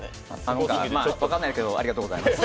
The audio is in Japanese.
何かまあ、分からないけどありがとうございます。